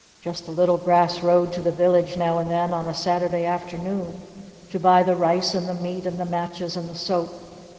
Just the little grass road to the village now and then on a Saturday afternoon to buy the rice and the meat and the matches and the soap!